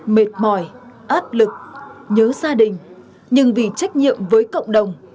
mệt mỏi áp lực nhớ gia đình nhưng vì trách nhiệm với cộng đồng